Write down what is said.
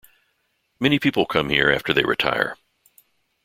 Many people come here after they retire.